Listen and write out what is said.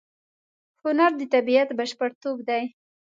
هنر د طبیعت بشپړتوب دی.